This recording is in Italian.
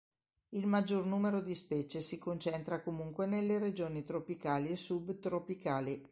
Il maggior numero di specie si concentra comunque nelle regioni tropicali e subtropicali.